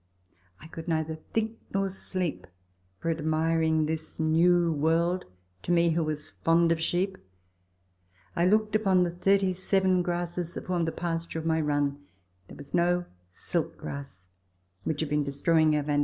I could neither think nor sleep for admiring this new world to me who was fond of sheep. I looked amongst the 37 grasses that formed the pasture of my run. There was no silk grass, which had been destroying our V, D.